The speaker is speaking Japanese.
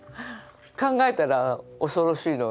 考えたら恐ろしいの。